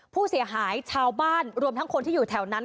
ผู้เสียหายชาวบ้านรวมทั้งคนที่อยู่แถวนั้น